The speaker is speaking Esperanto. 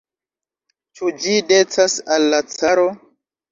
Ĉu ĝi decas al la caro?